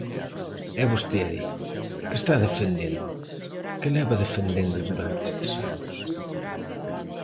E vostede ¿que está defendendo?, ¿que leva defendendo durante estes anos?